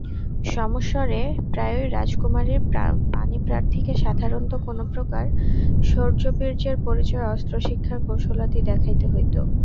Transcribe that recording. স্বয়ম্বরে প্রায়ই রাজকুমারীর পাণিপ্রার্থীকে সাধারণত কোন প্রকার শৌর্যবীর্যের পরিচয়, অস্ত্রশিক্ষার কৌশলাদি দেখাইতে হইত।